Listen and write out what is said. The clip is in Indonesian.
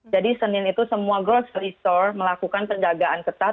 jadi senin itu semua grocery store melakukan penjagaan ketat